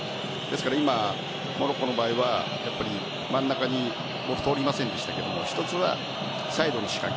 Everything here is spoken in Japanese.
モロッコの場合は、真ん中に通りませんでしたが一つはサイドの仕掛け。